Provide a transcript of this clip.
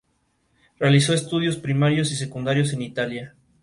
Se retiró entonces de la política y se abocó a la docencia universitaria.